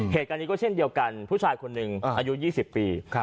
เหตุการณ์นี้ก็เช่นเดียวกันผู้ชายคนหนึ่งอายุ๒๐ปี